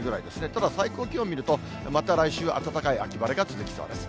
ただ、最高気温見ると、また来週、暖かい秋晴れが続きそうです。